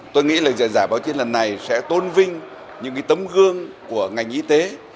tôi nghĩ là giải báo chí lần này sẽ tôn vinh những tấm gương của ngành y tế